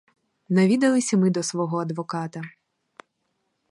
Навідались і ми до свого адвоката.